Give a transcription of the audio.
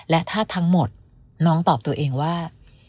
และถ้าทั้งหมดน้องตอบตัวเองว่า